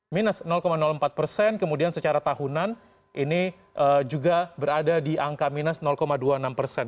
minus empat persen kemudian secara tahunan ini juga berada di angka minus dua puluh enam persen